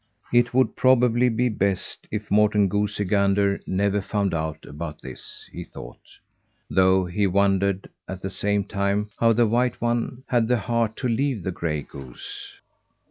It would probably be best if Morten goosey gander never found out about this, he thought, though he wondered, at the same time, how the white one had the heart to leave the gray goose.